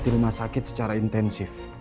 di rumah sakit secara intensif